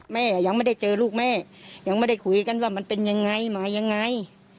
ยังไม่ได้เจอลูกแม่ยังไม่ได้คุยกันว่ามันเป็นยังไงมายังไง